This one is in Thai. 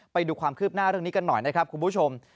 ไปดูความคืบหน้าเรื่องนี้กันหน่อยนะครับคุณผู้ชม